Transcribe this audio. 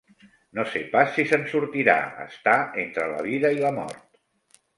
No sé pas si se'n sortirà: està entre la vida i la mort.